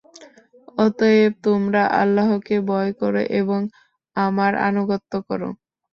অতএব, তোমরা আল্লাহকে ভয় কর এবং আমার আনুগত্য কর।